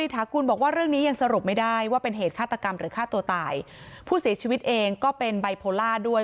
หรือฆ่าตัวตายผู้เสียชีวิตเองก็เป็นบายโพลาร์ด้วย